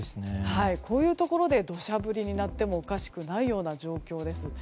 こういうところで土砂降りになってもおかしくないような状況です。